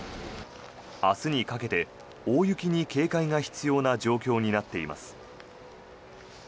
明日にかけて大雪に警戒が必要な状況になっています。